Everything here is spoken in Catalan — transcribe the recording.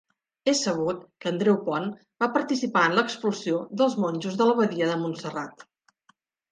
És sabut que Andreu Pont va participar en l'expulsió dels monjos de l'abadia de Montserrat.